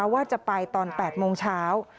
ว่าจะไปตอน๘โมงเช้า